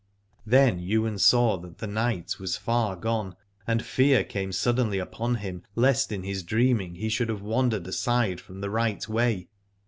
Then Ywain saw that the night was far gone, and fear came suddenly upon him lest in his dreaming he should have wandered aside from the right way.